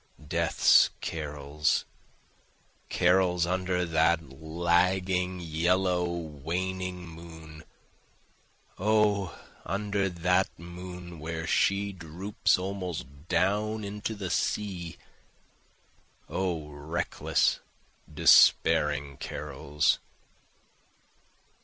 death's carols! Carols under that lagging, yellow, waning moon! O under that moon where she droops almost down into the sea! O reckless despairing carols.